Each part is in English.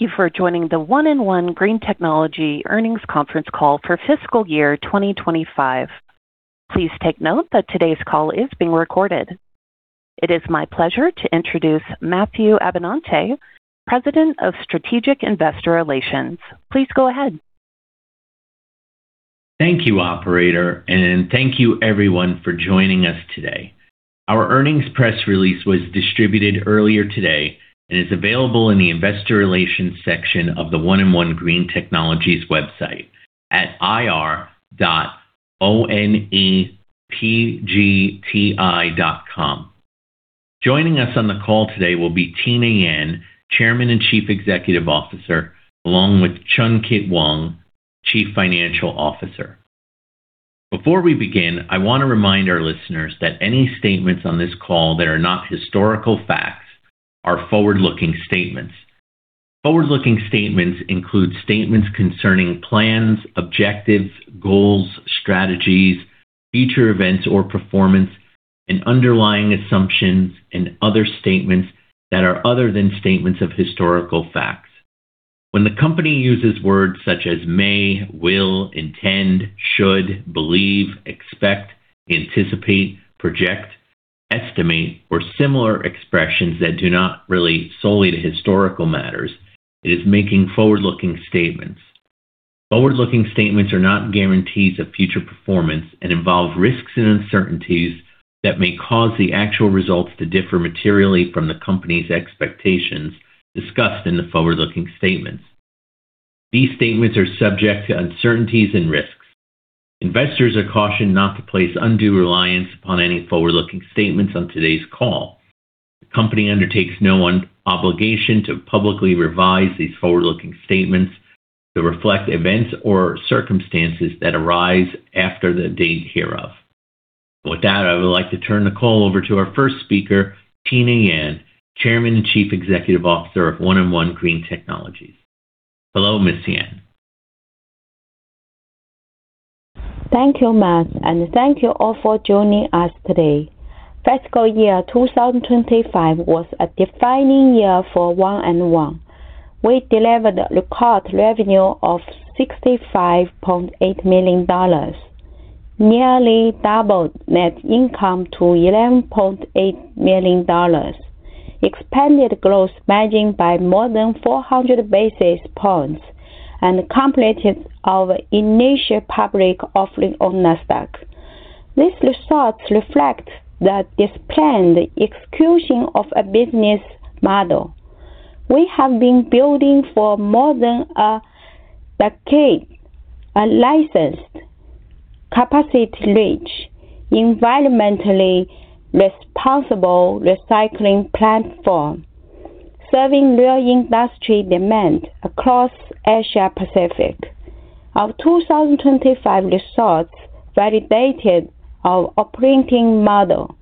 Thank you for joining the One and One Green Technologies Earnings Conference Call for Fiscal Year 2025. Please take note that today's call is being recorded. It is my pleasure to introduce Matthew Abenante, President of Strategic Investor Relations. Please go ahead. Thank you, operator, and thank you everyone for joining us today. Our earnings press release was distributed earlier today and is available in the investor relations section of the One and One Green Technologies website at ir.onepgti.com. Joining us on the call today will be Tina Yan, Chairman and Chief Executive Officer, along with Chun Kit Wong, Chief Financial Officer. Before we begin, I want to remind our listeners that any statements on this call that are not historical facts are forward-looking statements. Forward-looking statements include statements concerning plans, objectives, goals, strategies, future events or performance, and underlying assumptions and other statements that are other than statements of historical facts. When the company uses words such as may, will, intend, should, believe, expect, anticipate, project, estimate, or similar expressions that do not relate solely to historical matters, it is making forward-looking statements. Forward-looking statements are not guarantees of future performance and involve risks and uncertainties that may cause the actual results to differ materially from the company's expectations discussed in the forward-looking statements. These statements are subject to uncertainties and risks. Investors are cautioned not to place undue reliance upon any forward-looking statements on today's call. The company undertakes no obligation to publicly revise these forward-looking statements to reflect events or circumstances that arise after the date hereof. With that, I would like to turn the call over to our first speaker, Tina Yan, Chairwoman and Chief Executive Officer of One and One Green Technologies. Hello, Ms. Yan. Thank you, Matt, thank you all for joining us today. Fiscal year 2025 was a defining year for One and One. We delivered record revenue of $65.8 million, nearly doubled net income to $11.8 million, expanded gross margin by more than 400 basis points, and completed our initial public offering on NASDAQ. These results reflect the disciplined execution of a business model. We have been building for more than a decade a licensed capacity reach, environmentally responsible recycling platform, serving real industry demand across Asia Pacific. Our 2025 results validated our operating model.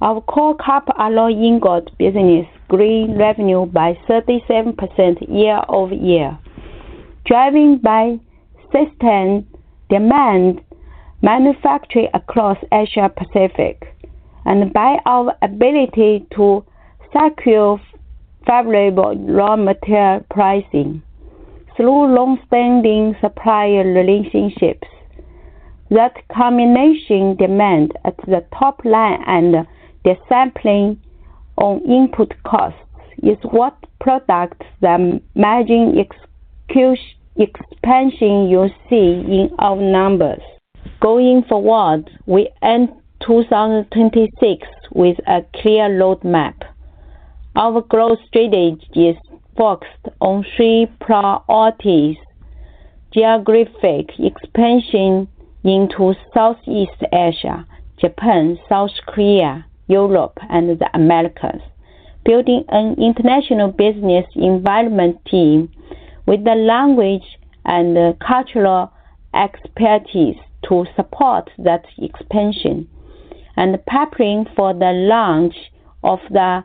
Our core copper alloy ingot business grew revenue by 37% year-over-year, driving by sustained demand manufacturing across Asia Pacific, and by our ability to secure favorable raw material pricing through long-standing supplier relationships. That combination demand at the top line and the softening on input costs is what produces the margin execution expansion you see in our numbers. Going forward, we end 2026 with a clear roadmap. Our growth strategy is focused on 3 priorities: geographic expansion into Southeast Asia, Japan, South Korea, Europe, and the Americas. Building an International Business Environment team with the language and cultural expertise to support that expansion, and preparing for the launch of the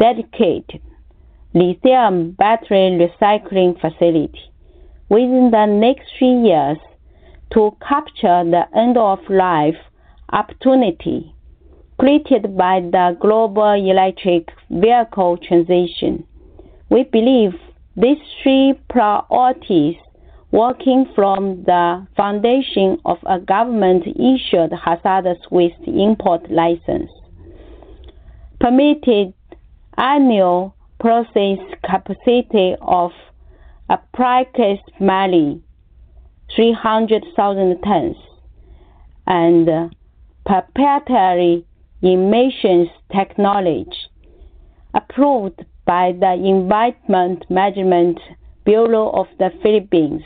dedicated lithium battery recycling facility within the next 3 years to capture the end-of-life opportunity created by the global electric vehicle transition. We believe these 3 priorities, working from the foundation of a government-issued hazardous waste import license, permitted annual process capacity of approximately 300,000 tons, and proprietary emissions technology approved by the Environmental Management Bureau of the Philippines,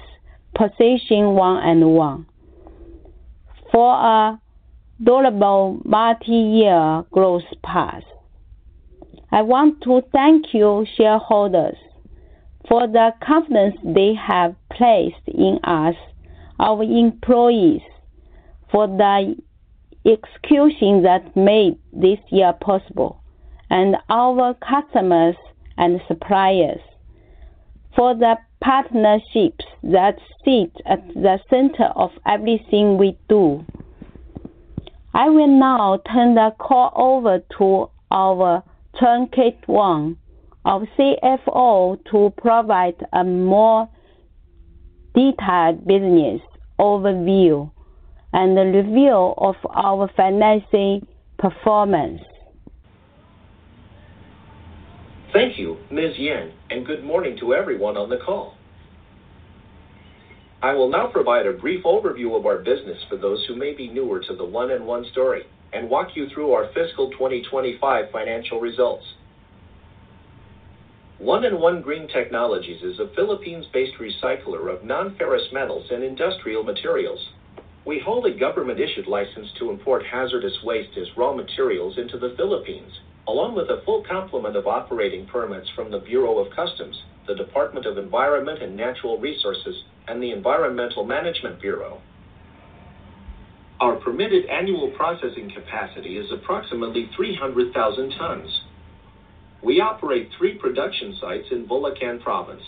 position One and One for a durable multi-year growth path. I want to thank you, shareholders, for the confidence they have placed in us, our employees, for the execution that made this year possible, and our customers and suppliers for the partnerships that sit at the center of everything we do. I will now turn the call over to our Chun Kit Wong, our CFO, to provide a more detailed business overview and the review of our financing performance. Thank you, Ms. Yan. Good morning to everyone on the call. I will now provide a brief overview of our business for those who may be newer to the One and One story and walk you through our fiscal 2025 financial results. One and One Green Technologies is a Philippines-based recycler of non-ferrous metals and industrial materials. We hold a government-issued license to import hazardous waste as raw materials into the Philippines, along with a full complement of operating permits from the Bureau of Customs, the Department of Environment and Natural Resources, and the Environmental Management Bureau. Our permitted annual processing capacity is approximately 300,000 tons. We operate three production sites in Bulacan Province,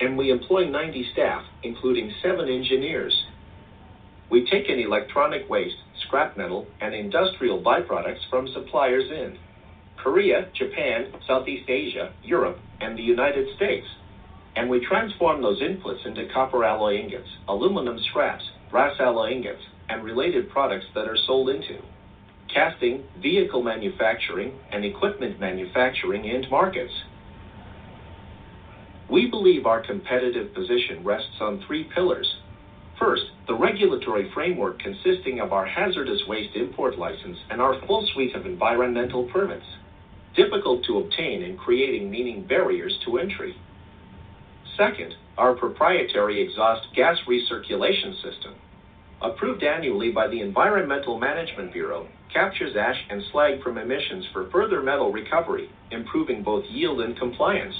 and we employ 90 staff, including seven engineers. We take in electronic waste, scrap metal, and industrial byproducts from suppliers in Korea, Japan, Southeast Asia, Europe, and the United States, and we transform those inputs into copper alloy ingots, aluminum scraps, brass alloy ingots, and related products that are sold into casting, vehicle manufacturing, and equipment manufacturing end markets. We believe our competitive position rests on three pillars. First, the regulatory framework consisting of our hazardous waste import license and our full suite of environmental permits, difficult to obtain in creating meaningful barriers to entry. Second, our proprietary exhaust gas recirculation system, approved annually by the Environmental Management Bureau, captures ash and slag from emissions for further metal recovery, improving both yield and compliance.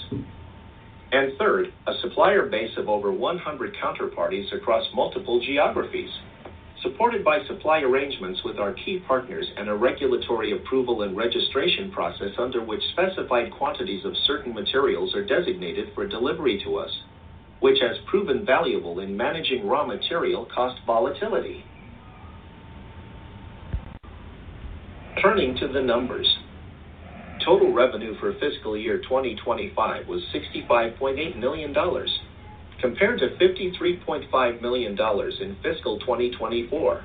Third, a supplier base of over 100 counterparties across multiple geographies, supported by supply arrangements with our key partners and a regulatory approval and registration process under which specified quantities of certain materials are designated for delivery to us, which has proven valuable in managing raw material cost volatility. Turning to the numbers. Total revenue for fiscal year 2025 was $65.8 million, compared to $53.5 million in fiscal 2024,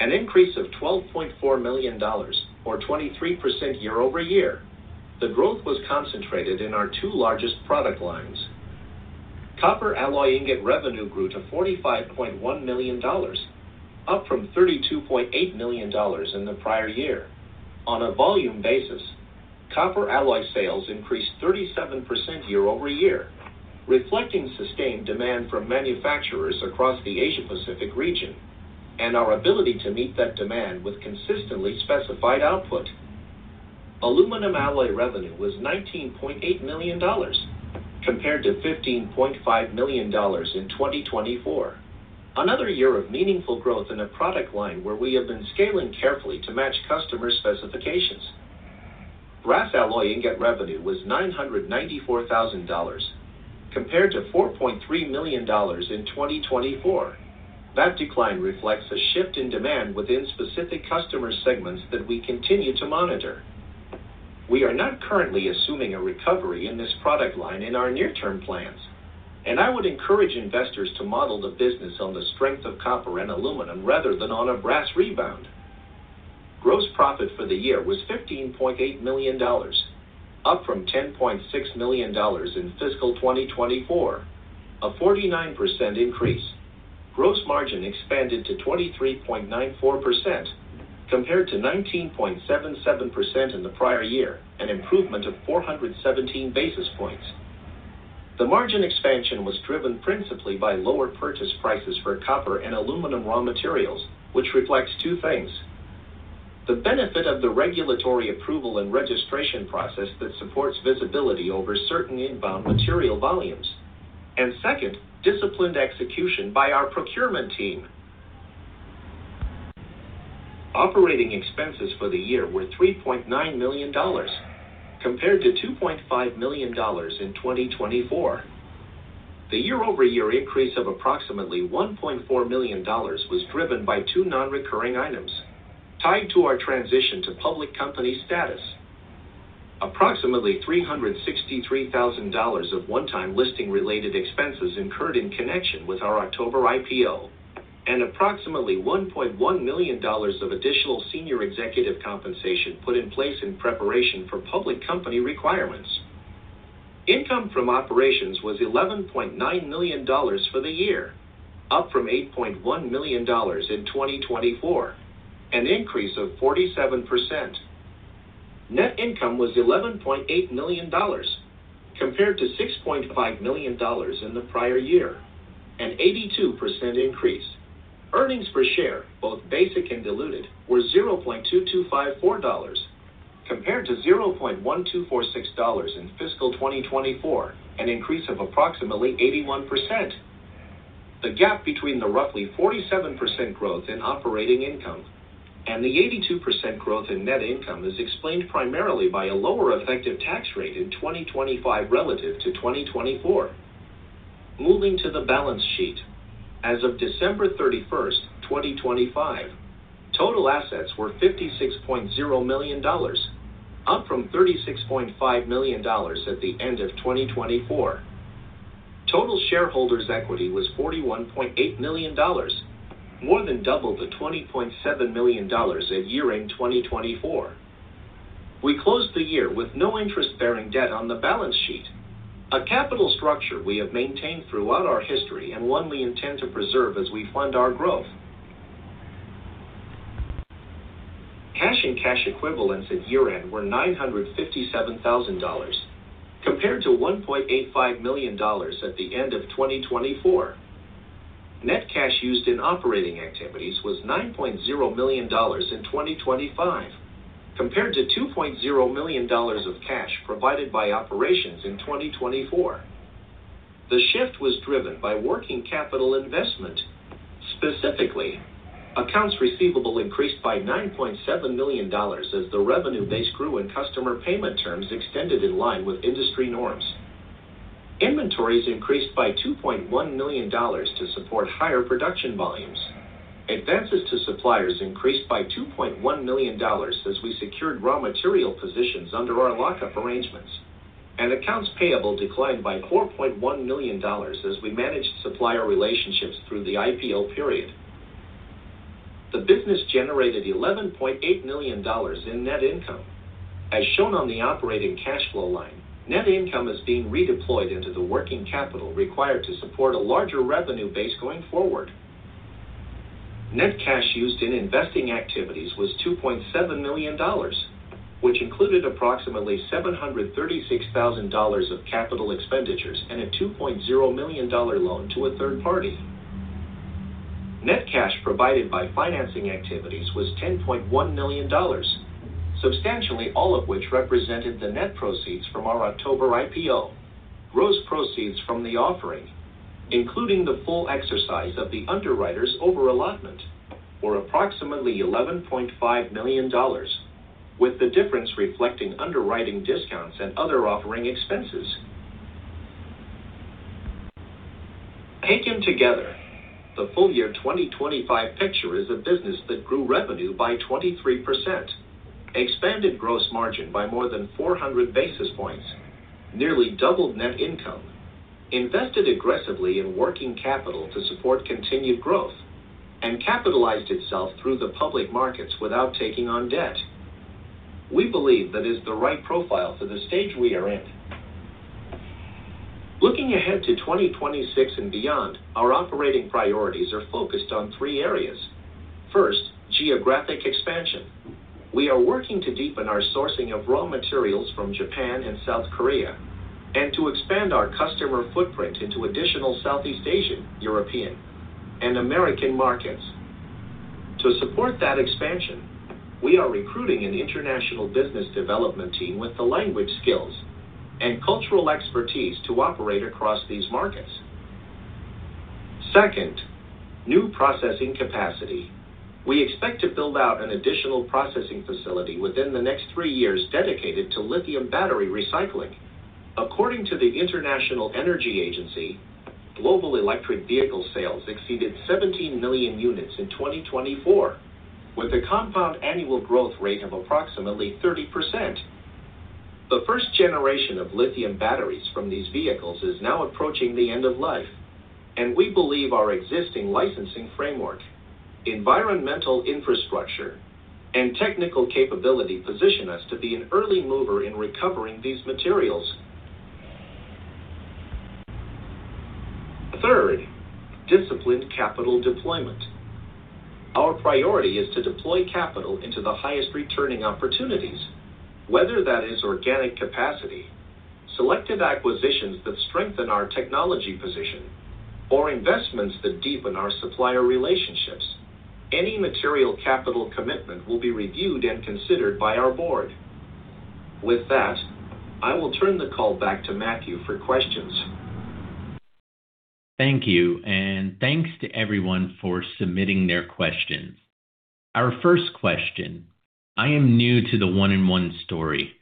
an increase of $12.4 million or 23% year-over-year. The growth was concentrated in our two largest product lines. Copper alloy ingot revenue grew to $45.1 million, up from $32.8 million in the prior year. On a volume basis, copper alloy sales increased 37% year-over-year, reflecting sustained demand from manufacturers across the Asia-Pacific region and our ability to meet that demand with consistently specified output. Aluminum alloy revenue was $19.8 million, compared to $15.5 million in 2024. Another year of meaningful growth in a product line where we have been scaling carefully to match customer specifications. Brass alloy ingot revenue was $994,000, compared to $4.3 million in 2024. That decline reflects a shift in demand within specific customer segments that we continue to monitor. We are not currently assuming a recovery in this product line in our near-term plans, and I would encourage investors to model the business on the strength of copper and aluminum rather than on a brass rebound. Gross profit for the year was $15.8 million, up from $10.6 million in fiscal 2024, a 49% increase. Gross margin expanded to 23.94%, compared to 19.77% in the prior year, an improvement of 417 basis points. The margin expansion was driven principally by lower purchase prices for copper and aluminum raw materials, which reflects two things. The benefit of the regulatory approval and registration process that supports visibility over certain inbound material volumes. Second, disciplined execution by our procurement team. Operating expenses for the year were $3.9 million, compared to $2.5 million in 2024. The year-over-year increase of approximately $1.4 million was driven by two non-recurring items tied to our transition to public company status. Approximately $363,000 of one-time listing related expenses incurred in connection with our October IPO and approximately $1.1 million of additional senior executive compensation put in place in preparation for public company requirements. Income from operations was $11.9 million for the year, up from $8.1 million in 2024, an increase of 47%. Net income was $11.8 million, compared to $6.5 million in the prior year, an 82% increase. Earnings per share, both basic and diluted, were $0.2254, compared to $0.1246 in fiscal 2024, an increase of approximately 81%. The gap between the roughly 47% growth in operating income and the 82% growth in net income is explained primarily by a lower effective tax rate in 2025 relative to 2024. Moving to the balance sheet. As of December 31st, 2025, total assets were $56.0 million, up from $36.5 million at the end of 2024. Total shareholders' equity was $41.8 million, more than double the $20.7 million at year-end 2024. We closed the year with no interest-bearing debt on the balance sheet, a capital structure we have maintained throughout our history and one we intend to preserve as we fund our growth. Cash and cash equivalents at year-end were $957,000, compared to $1.85 million at the end of 2024. Net cash used in operating activities was $9.0 million in 2025, compared to $2.0 million of cash provided by operations in 2024. The shift was driven by working capital investment. Specifically, accounts receivable increased by $9.7 million as the revenue base grew and customer payment terms extended in line with industry norms. Inventories increased by $2.1 million to support higher production volumes. Advances to suppliers increased by $2.1 million as we secured raw material positions under our lockup arrangements, and accounts payable declined by $4.1 million as we managed supplier relationships through the IPO period. The business generated $11.8 million in net income. As shown on the operating cash flow line, net income is being redeployed into the working capital required to support a larger revenue base going forward. Net cash used in investing activities was $2.7 million, which included approximately $736,000 of capital expenditures and a $2.0 million loan to a third party. Net cash provided by financing activities was $10.1 million, substantially all of which represented the net proceeds from our October IPO. Gross proceeds from the offering, including the full exercise of the underwriter's over-allotment, were approximately $11.5 million, with the difference reflecting underwriting discounts and other offering expenses. Taken together, the full year 2025 picture is a business that grew revenue by 23%, expanded gross margin by more than 400 basis points, nearly doubled net income, invested aggressively in working capital to support continued growth, and capitalized itself through the public markets without taking on debt. We believe that is the right profile for the stage we are in. Looking ahead to 2026 and beyond, our operating priorities are focused on three areas. First, geographic expansion. We are working to deepen our sourcing of raw materials from Japan and South Korea and to expand our customer footprint into additional Southeast Asian, European, and American markets. To support that expansion, we are recruiting an international business development team with the language skills and cultural expertise to operate across these markets. Second, new processing capacity. We expect to build out an additional processing facility within the next 3 years dedicated to lithium battery recycling. According to the International Energy Agency, global electric vehicle sales exceeded 17 million units in 2024, with a compound annual growth rate of approximately 30%. The first generation of lithium batteries from these vehicles is now approaching the end of life, and we believe our existing licensing framework, environmental infrastructure, and technical capability position us to be an early mover in recovering these materials. Third, disciplined capital deployment. Our priority is to deploy capital into the highest returning opportunities, whether that is organic capacity, selective acquisitions that strengthen our technology position, or investments that deepen our supplier relationships. Any material capital commitment will be reviewed and considered by our board. With that, I will turn the call back to Matthew for questions. Thank you, and thanks to everyone for submitting their questions. Our first question: I am new to the One and One story.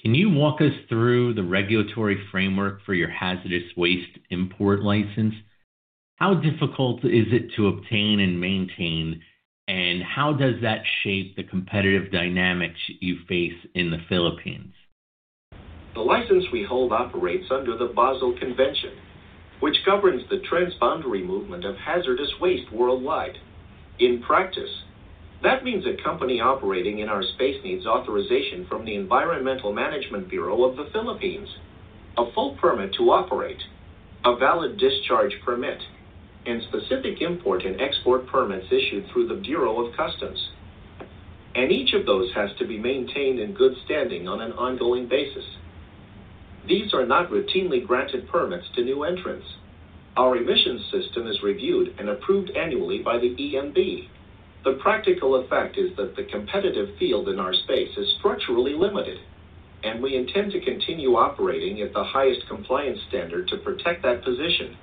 Can you walk us through the regulatory framework for your hazardous waste import license? How difficult is it to obtain and maintain, and how does that shape the competitive dynamics you face in the Philippines? The license we hold operates under the Basel Convention, which governs the transboundary movement of hazardous waste worldwide. In practice, that means a company operating in our space needs authorization from the Environmental Management Bureau of the Philippines, a full permit to operate, a valid discharge permit, and specific import and export permits issued through the Bureau of Customs, and each of those has to be maintained in good standing on an ongoing basis. These are not routinely granted permits to new entrants. Our emissions system is reviewed and approved annually by the EMB. The practical effect is that the competitive field in our space is structurally limited, and we intend to continue operating at the highest compliance standard to protect that position.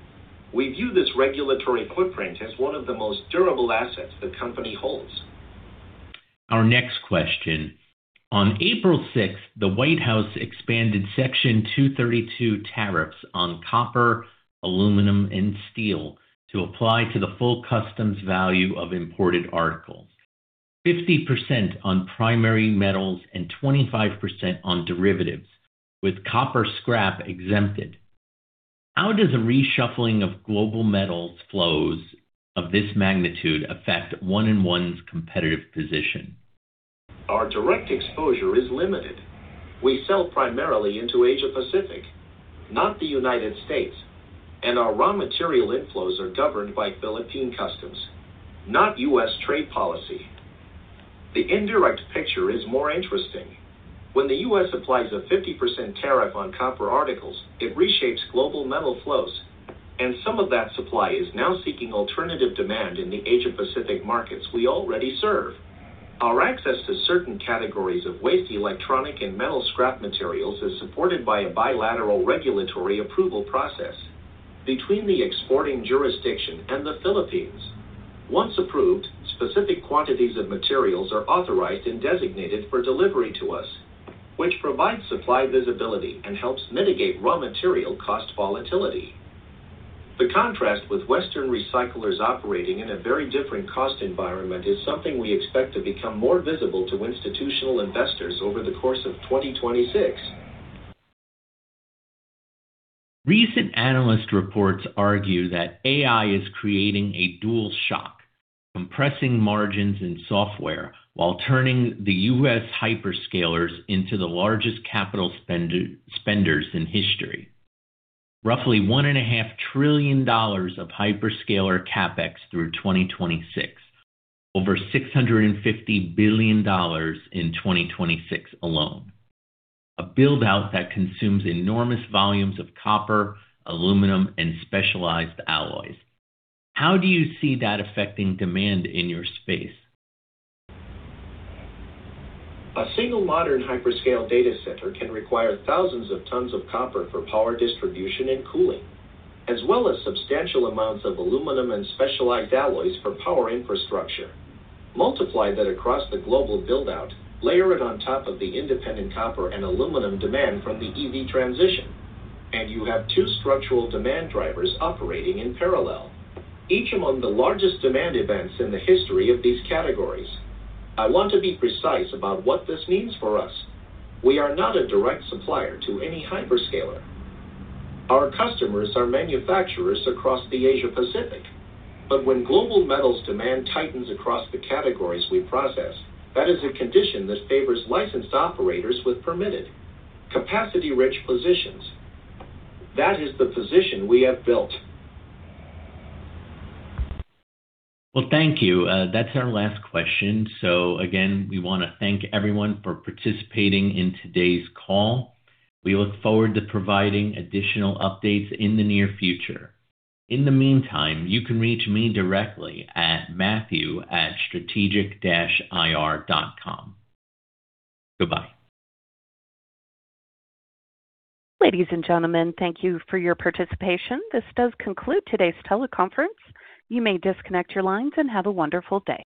We view this regulatory footprint as one of the most durable assets the company holds. Our next question. On April 6th, the White House expanded Section 232 tariffs on copper, aluminum, and steel to apply to the full customs value of imported articles. 50% on primary metals and 25% on derivatives, with copper scrap exempted. How does a reshuffling of global metals flows of this magnitude affect One and One's competitive position? Our direct exposure is limited. We sell primarily into Asia-Pacific, not the United States, and our raw material inflows are governed by Philippine customs, not U.S. trade policy. The indirect picture is more interesting. When the U.S. applies a 50% tariff on copper articles, it reshapes global metal flows, and some of that supply is now seeking alternative demand in the Asia-Pacific markets we already serve. Our access to certain categories of waste electronic and metal scrap materials is supported by a bilateral regulatory approval process between the exporting jurisdiction and the Philippines. Once approved, specific quantities of materials are authorized and designated for delivery to us, which provides supply visibility and helps mitigate raw material cost volatility. The contrast with Western recyclers operating in a very different cost environment is something we expect to become more visible to institutional investors over the course of 2026. Recent analyst reports argue that AI is creating a dual shock, compressing margins in software while turning the U.S. hyperscalers into the largest capital spenders in history. Roughly one and a half trillion dollars of hyperscaler CapEx through 2026. Over $650 billion in 2026 alone. A build-out that consumes enormous volumes of copper, aluminum, and specialized alloys. How do you see that affecting demand in your space? A single modern hyperscale data center can require thousands of tons of copper for power distribution and cooling, as well as substantial amounts of aluminum and specialized alloys for power infrastructure. Multiply that across the global build-out, layer it on top of the independent copper and aluminum demand from the EV transition. You have two structural demand drivers operating in parallel, each among the largest demand events in the history of these categories. I want to be precise about what this means for us. We are not a direct supplier to any hyperscaler. Our customers are manufacturers across the Asia-Pacific. When global metals demand tightens across the categories we process, that is a condition that favors licensed operators with permitted capacity-rich positions. That is the position we have built. Well, thank you. That's our last question. Again, we wanna thank everyone for participating in today's call. We look forward to providing additional updates in the near future. In the meantime, you can reach me directly at matthew@strategic-ir.com. Goodbye. Ladies and gentlemen, thank you for your participation. This does conclude today's teleconference. You may disconnect your lines and have a wonderful day.